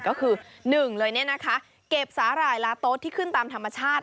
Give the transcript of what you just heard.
ก็คือ๑เลยเก็บสาหร่ายลาโต๊ดที่ขึ้นตามธรรมชาติ